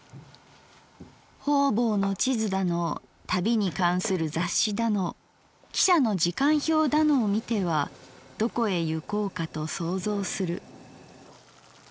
方々の地図だの旅に関する雑誌だの汽車の時間表だのをみてはどこへゆこうかと想像する」。